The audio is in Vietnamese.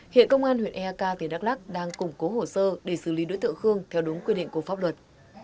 hiện công an huyện eak tỉnh đắk lắc đang củng cố hồ sơ để xử lý đối tượng khương theo đúng quy định của pháp luật